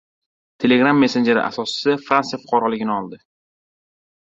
Telegram messenjeri asoschisi Fransiya fuqaroligini oldi